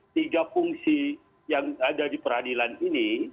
tiga fungsi yang ada di peradilan ini